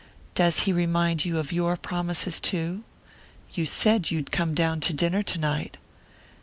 "Does he remind you of your promises too? You said you'd come down to dinner tonight."